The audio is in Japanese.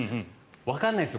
わからないです